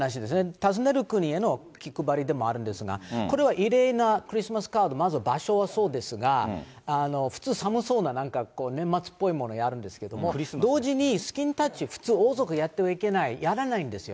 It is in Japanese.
訪ねる国への気配りでもあるんですが、これは異例なクリスマスカード、まず場所はそうですが、普通、寒そうな、なんか年末っぽいものやるんですけど、同時に、スキンタッチ、普通王族やってはいけない、やらないんですよ。